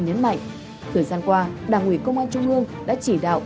nhấn mạnh thời gian qua đảng ủy công an trung ương đã chỉ đạo